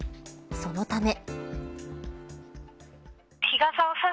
そのため。